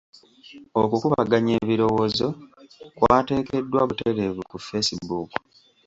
Okukubaganya ebirowoozo kwateekeddwa butereevu ku facebook.